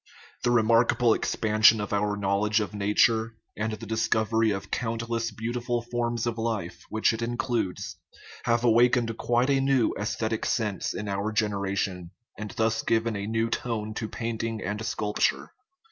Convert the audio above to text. The remarkable expansion of our knowl edge of nature, and the discovery of countless beauti ful forms of life, which it includes, have awakened quite a new aesthetic sense in our generation, and thus given a new tone to painting and sculpture.